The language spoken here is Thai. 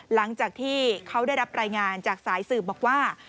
หลังจากที่เขาได้รับรายงานจากสายสืบบอกว่า